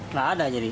nggak ada jadi